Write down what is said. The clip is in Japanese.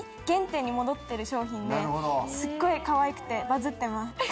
原点に戻ってる商品ですごいかわいくてバズってます。